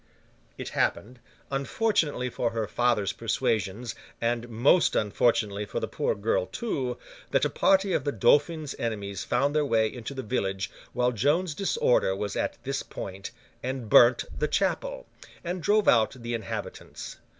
It happened, unfortunately for her father's persuasions, and most unfortunately for the poor girl, too, that a party of the Dauphin's enemies found their way into the village while Joan's disorder was at this point, and burnt the chapel, and drove out the inhabitants.